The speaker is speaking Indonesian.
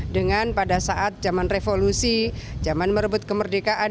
dengan pada saat zaman revolusi zaman merebut kemerdekaan